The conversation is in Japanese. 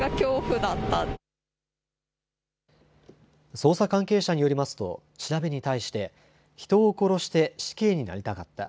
捜査関係者によりますと調べに対して人を殺して死刑になりたかった。